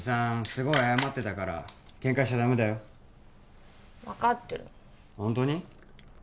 すごい謝ってたからケンカしちゃダメだよ分かってるホントに？